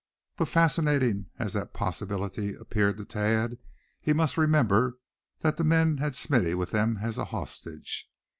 But fascinating as that possibility appeared to Thad, he must remember that the men had Smithy with them as a hostage.